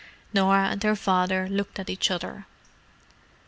Norah and her father looked at each other.